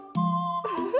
ウフフ。